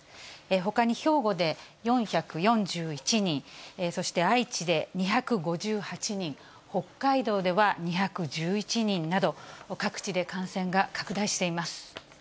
ほかに兵庫で４４１人、そして愛知で２５８人、北海道では２１１人など、各地で感染が拡大しています。